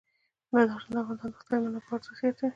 بدخشان د افغانستان د اقتصادي منابعو ارزښت زیاتوي.